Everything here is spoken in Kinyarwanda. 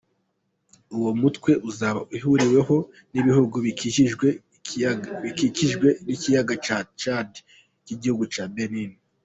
Uwo mutwe uzaba uhuriweho n’ibihugu bikikije ikiyaga cya Tchad n’igihugu cya Benin.